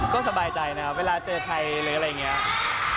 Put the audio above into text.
ก็สบายใจนะครับเวลาเจอใครหรืออะไรอย่างนี้